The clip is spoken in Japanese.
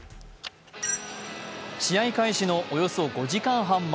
試合開始のおよそ５時間半前